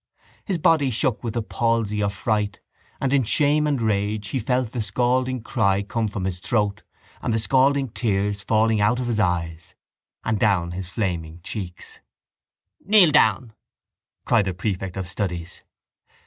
His body shook with a palsy of fright and in shame and rage he felt the scalding cry come from his throat and the scalding tears falling out of his eyes and down his flaming cheeks. —Kneel down, cried the prefect of studies.